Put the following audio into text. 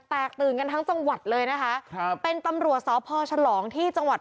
แตกตื่นกันทั้งจังหวัดเลยนะคะครับเป็นตำรวจสพฉลองที่จังหวัด